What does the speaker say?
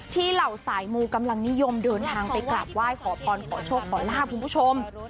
ที่เราสายมือกำลังนิยมเดินทางไปกลากว่ายขอพรขอโชคขอลากคุณผู้ชม